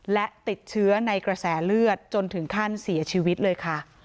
และติดเชื้อในกระแสเลือดจนถึงขั้นเสียชีวิตเลยค่ะ